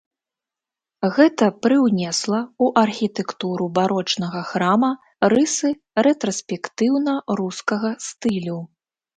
Гэта прыўнесла ў архітэктуру барочнага храма рысы рэтраспектыўна-рускага стылю.